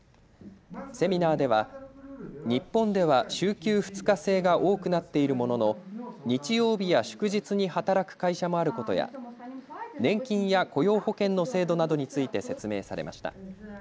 セミナーでは、日本では週休２日制が多くなっているものの日曜日や祝日に働く会社もあることや年金や雇用保険の制度などについて説明されました。